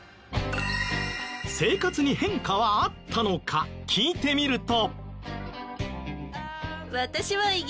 生活に変化はあったのか聞いてみると。